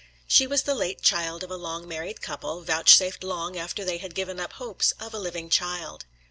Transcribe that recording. She was the late child of a long married couple, vouchsafed long after they had given up hopes of a living child.